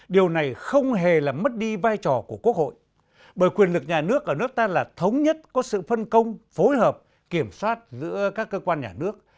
điều này không hề là mất đi vai trò của quốc hội bởi quyền lực nhà nước ở nước ta là thống nhất có sự phân công phối hợp kiểm soát giữa các cơ quan nhà nước